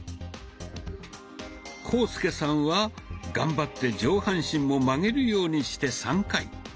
浩介さんは頑張って上半身も曲げるようにして３回。